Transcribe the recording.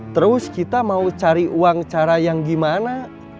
terus kita mau cari uang cara yang gimana